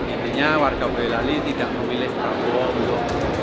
intinya warga buil lali tidak memilih prabowo